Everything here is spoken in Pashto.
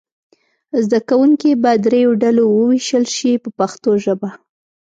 زده کوونکي به دریو ډلو وویشل شي په پښتو ژبه.